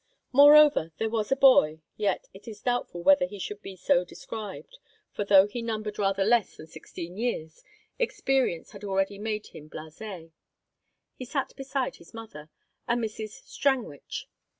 Moreover, there was a boy yet it is doubtful whether he should be so described; for, though he numbered rather less than sixteen years, experience had already made him blase. He sat beside his mother, a Mrs. Strangwich.